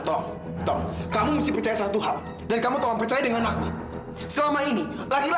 enggak mila kamu jangan percaya sama dia mila